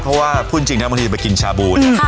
เพราะว่าพูดจริงนะบางทีไปกินชาบูเนี่ย